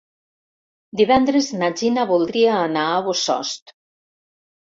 Divendres na Gina voldria anar a Bossòst.